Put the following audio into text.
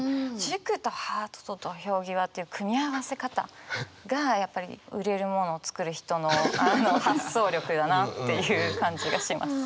「塾」と「ハート」と「土俵際」っていう組み合わせ方がやっぱり売れるもの作る人の発想力だなっていう感じがします。